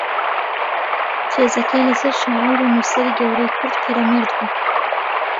تێزەکەی لەسەر شاعیر و نووسەری گەورەی کورد پیرەمێرد بووە